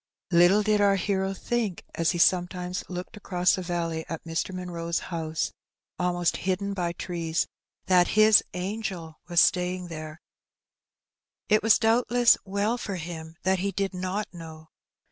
Little did our hero think, as he sometimes looked across the valley at Mr. Munroe's house, almost hidden by trees, that his ^' angel" was staying there. It was doubtless well for him that he did not know.